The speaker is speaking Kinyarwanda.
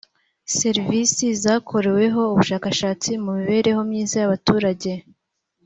serivisi zakorereweho ubushakashatsi mu mibereho myiza y’ abaturage